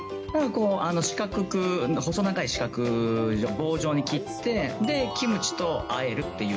四角く、細長い四角、棒状に切って、で、キムチとあえるっていう。